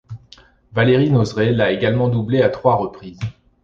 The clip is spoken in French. Valérie Nosrée l'a également doublée à trois reprises.